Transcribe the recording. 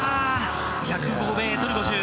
１０５ｍ５０。